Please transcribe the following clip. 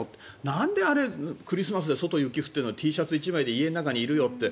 なんでクリスマスで外、雪が降っているのにＴシャツ１枚で家の中にいるかって。